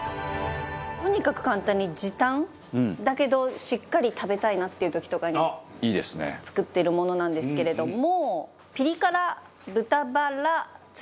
とにかく簡単で時短だけどしっかり食べたいなっていう時とかに作ってるものなんですけれども。